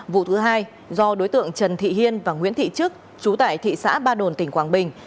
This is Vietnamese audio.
vụ thứ hai do đối tượng trần thị hiên và nguyễn thị chức chú tại thị xã ba đồn tỉnh quảng bình